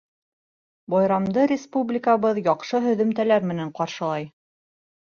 Байрамды республикабыҙ яҡшы һөҙөмтәләр менән ҡаршылай.